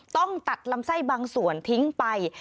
ต้องตัดลำไส้บางส่วนทิ้งไป